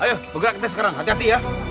ayo bergerak kita sekarang hati hati ya